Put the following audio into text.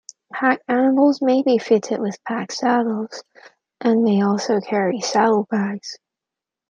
Pack animals may be fitted with pack saddles and may also carry saddlebags.